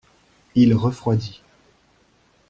Il refroidit.